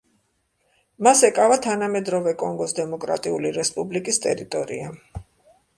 მას ეკავა თანამედროვე კონგოს დემოკრატიული რესპუბლიკის ტერიტორია.